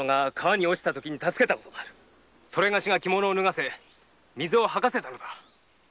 某が着物を脱がせ水を吐かせたのだ。